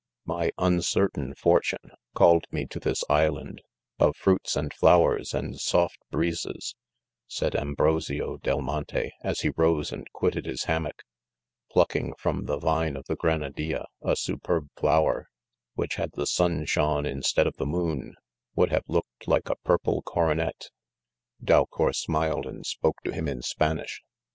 My uncertain fortune called me to this is land — "of fruits and flowers, and soft breezes 52 said Ambrosio del Monte, as he rose and quit ted his hammock, plucking from the vine of the grenadilla, a superb flower, which had the sun shone instead of the moon, would have looked like a purple coronet. ('«) Dalcou? smil ed and spoke to him in Spanish.